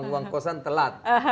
uang kosan telat